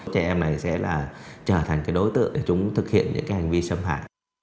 trẻ em này sẽ trở thành đối tượng để chúng thực hiện những hành vi xâm hại